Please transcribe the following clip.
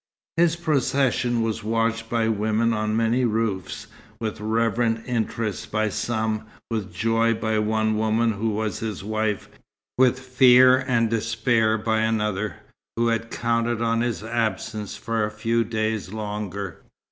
His procession was watched by women on many roofs with reverent interest by some; with joy by one woman who was his wife; with fear and despair by another, who had counted on his absence for a few days longer.